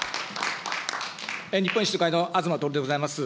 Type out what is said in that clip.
日本維新の会の東徹でございます。